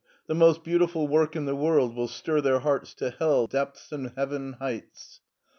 The most beautiful work in the world will stir their hearts to hell depths and heaven heights."